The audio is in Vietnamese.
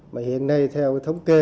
mà hiện nay theo thống kê